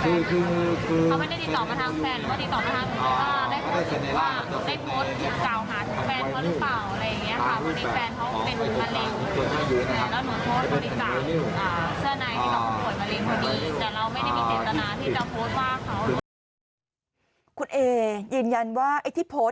เป็นการเข้าใจผิดทางโพสต์